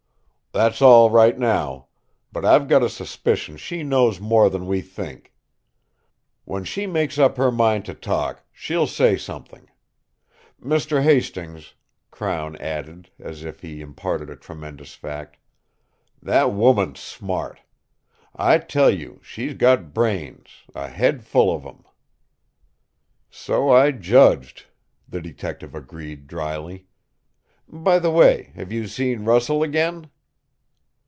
"That's all, right now. But I've got a suspicion she knows more than we think. When she makes up her mind to talk, she'll say something! Mr. Hastings," Crown added, as if he imparted a tremendous fact, "that woman's smart! I tell you, she's got brains, a head full of 'em!" "So I judged," the detective agreed, drily. "By the way, have you seen Russell again?"